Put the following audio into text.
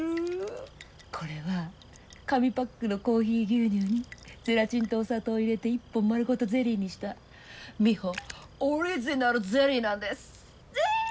これは紙パックのコーヒー牛乳にゼラチンとお砂糖を入れて１本丸ごとゼリーにしたミホオリジナルゼリーなんです。